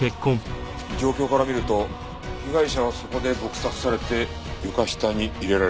状況から見ると被害者はそこで撲殺されて床下に入れられたって事か。